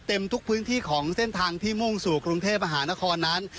ทุกพื้นที่ของเส้นทางที่มุ่งสู่กรุงเทพมหานครนั้น